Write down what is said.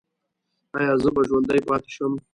ایا زه به ژوندی پاتې شم؟